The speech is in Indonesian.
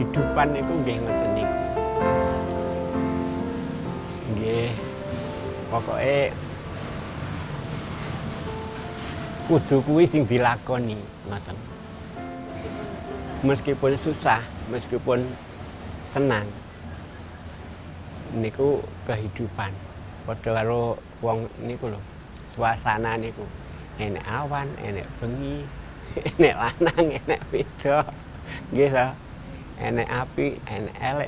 di sana ini enak awan enak pengi enak lanang enak pindah enak api enak elek